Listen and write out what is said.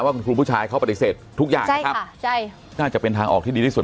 ว่าคุณครูผู้ชายเขาปฏิเสธทุกอย่างนะครับน่าจะเป็นทางออกที่ดีที่สุด